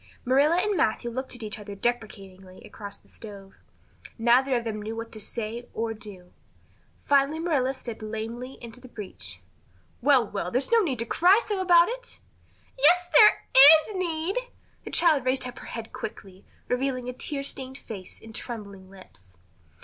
Marilla and Matthew looked at each other deprecatingly across the stove. Neither of them knew what to say or do. Finally Marilla stepped lamely into the breach. "Well, well, there's no need to cry so about it." "Yes, there is need!" The child raised her head quickly, revealing a tear stained face and trembling lips.